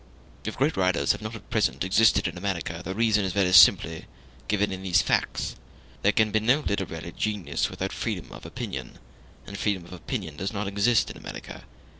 If great writers have not at present existed in America, the reason is very simply given in these facts; there can be no literary genius without freedom of opinion, and freedom of opinion does not exist in America.